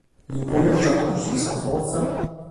L’imponimus a totus cun sa fortza?